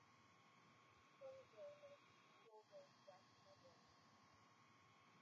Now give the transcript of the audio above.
Sunjay lives in Stourbridge, West Midlands.